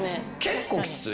結構きつい。